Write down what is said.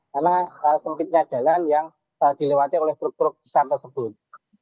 karena sempitnya jalan yang dilewati oleh truk truk besar tersebut